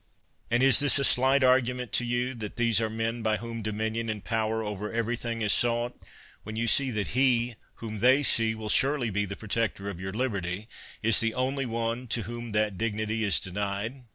And is this a slight argument to you, that these are men by whom dominion and power over everything is sought, when you see that he, whom they see will surely be the protector of your liberty, is the only one to whom that dignity is denied?